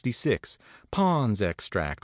.66 Pond's Extract ..................